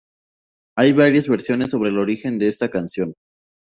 Hay varias versiones sobre el origen de esta canción.